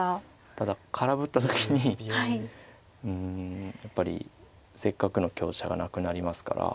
ただ空振った時にうんやっぱりせっかくの香車がなくなりますから。